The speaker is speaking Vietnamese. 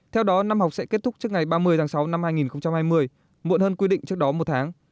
theo đó năm học sẽ kết thúc trước ngày ba mươi tháng sáu năm hai nghìn hai mươi muộn hơn quy định trước đó một tháng